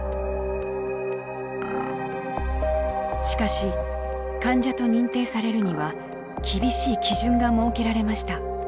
しかし患者と認定されるには厳しい基準が設けられました。